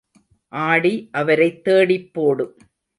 ஆடி அவரை தேடிப் போடு.